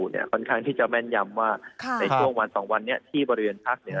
ค่อนข้างที่จะแม่นยำว่าในช่วงวันสองวันนี้ที่บริเวณภาคเหนือ